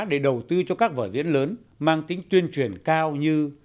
để đầu tư cho các vở diễn lớn mang tính tuyên truyền cao như